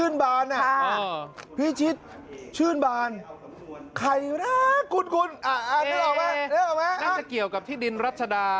นั่นจะเกี่ยวกับที่ดินรัชดา